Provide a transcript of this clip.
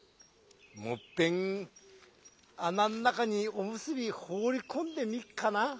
もういっぺんあなんなかにおむすびほうりこんでみっかな」。